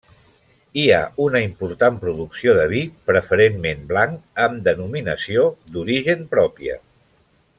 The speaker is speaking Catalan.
Hi ha una important producció de vi, preferentment blanc, amb denominació d'origen pròpia.